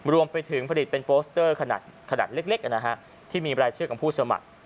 รวมไปถึงผลิตเป็นโปสเตอร์ขนัดขนาดเล็กอ่ะนะฮะที่มีใบรายเชื่อกับผู้สมัคร